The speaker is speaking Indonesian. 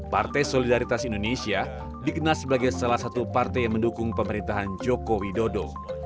partai solidaritas indonesia dikenal sebagai salah satu partai yang mendukung pemerintahan joko widodo